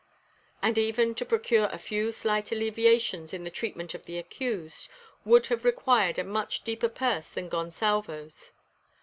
And even to procure a few slight alleviations in the treatment of the accused, would have required a much deeper purse than Gonsalvo's.